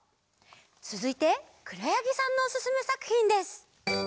つづいてくろやぎさんのおすすめさくひんです。